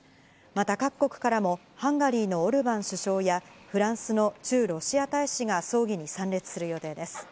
また、各国からも、ハンガリーのオルバン首相やフランスの駐ロシア大使が葬儀に参列する予定です。